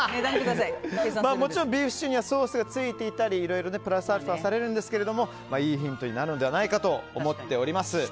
もちろん、ビーフシチューにはソースがついていたり、いろいろプラスアルファされるんですがいいヒントになるのではないかと思っております。